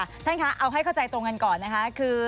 ท่านคะเอาให้เข้าใจตรงกันก่อนนะคะคือ